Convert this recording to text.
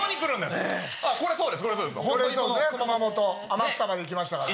熊本・天草まで行きましたから。